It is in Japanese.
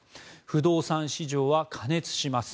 不動産市場は過熱します。